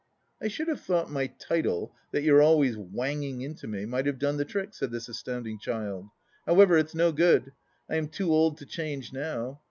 " I should have thought my title, that you're always wanging into me, might have done the trick," said this astounding child. " However, it's no good ! I am too old to change now.